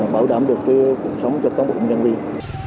bảo đảm được đời sống cho tất cả các doanh nghiệp